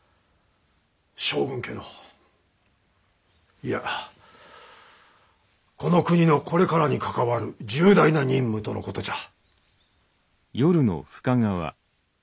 将軍家のいやこの国のこれからに関わる重大な任務とのことじゃ。